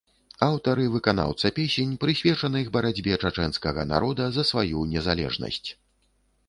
Аўтар і выканаўца песень прысвечаных барацьбе чачэнскага народа за сваю незалежнасць.